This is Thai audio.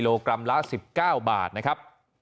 กรัมละ๑๙บาทนะครับ